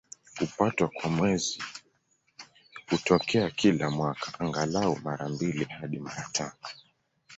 Kupatwa kwa Mwezi hutokea kila mwaka, angalau mara mbili hadi mara tano.